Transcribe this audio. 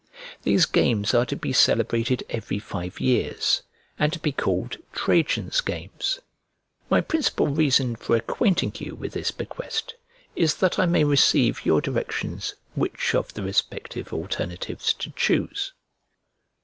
These games are to be celebrated every five years, and to be called Trajan's games. My principal reason for acquainting you with this bequest is that I may receive your directions which of the respective alternatives to choose.